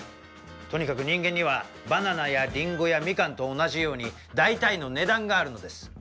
とにかく人間にはバナナやリンゴやミカンと同じように大体の値段があるのです。